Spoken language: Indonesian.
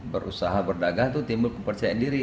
berusaha berdagang itu timbul kepercayaan diri